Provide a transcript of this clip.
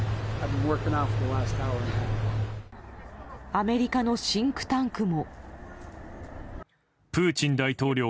アメリカのシンクタンクも。